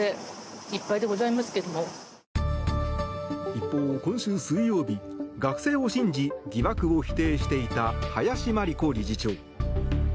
一方、今週水曜日学生を信じ疑惑を否定していた林真理子理事長。